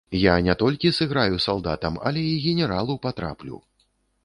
Я не толькі сыграю салдатам, але і генералу патраплю.